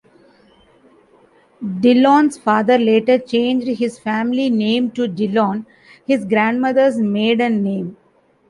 Dillon's father later changed his family name to Dillon, his grandmother's maiden name.